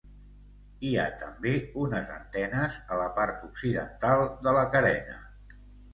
Hi ha també unes antenes a la part occidental de la carena.